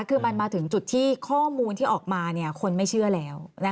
คือมันมาถึงจุดที่ข้อมูลที่ออกมาคนไม่เชื่อแล้ว